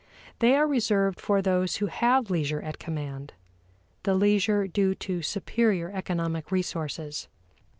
They are reserved for those who have leisure at command the leisure due to superior economic resources.